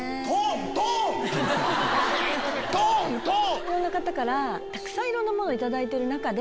いろんな方からたくさんいろんなものを頂いてる中で。